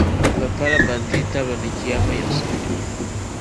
Bɛ pala ban dihitabli ni Chiyaama yiɣisibu.